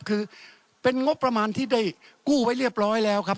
คือเป็นงบประมาณที่ได้กู้ไว้เรียบร้อยแล้วครับ